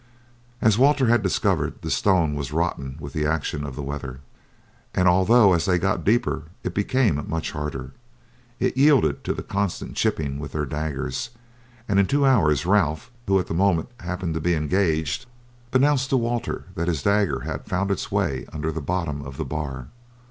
As Walter had discovered, the stone was rotten with the action of the weather, and although as they got deeper it became much harder, it yielded to the constant chipping with their daggers, and in two hours Ralph, who at the moment happened to be engaged, announced to Walter that his dagger had found its way under the bottom of the bar.